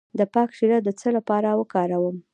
د پالک شیره د څه لپاره وکاروم؟